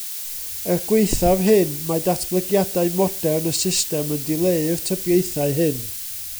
Er gwaethaf hyn, mae datblygiadau modern y system yn dileu'r tybiaethau hyn.